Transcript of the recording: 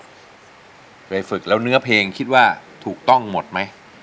เมี่ย์ว่าเคยฝึกแล้วเนื้อเพลงถูกต้องหมดไหม